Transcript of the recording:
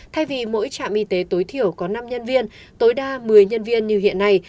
thay vì mỗi trạm y tế tối thiểu có năm nhân viên tối đa một mươi nhân viên như hiện nay